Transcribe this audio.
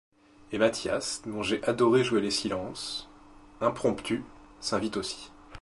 Et Mathias, dont j’ai adoré jouer les silences… …… impromptus, s’invite aussi.